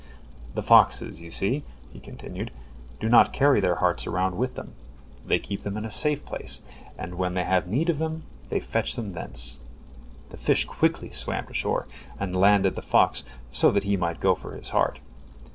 The foxes, you see," he continued, "do not carry their hearts around with them. They keep them in a safe place, and when they have need of them, they fetch them thence." The fish quickly swam to shore, and landed the fox, so that he might go for his heart.